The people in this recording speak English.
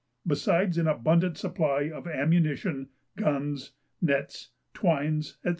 Besides an abundant supply of ammunition, guns, nets, twines, &c.